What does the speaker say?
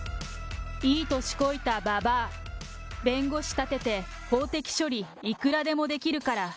いい年こいたばばあ、弁護士立てて法的処理いくらでもできるから。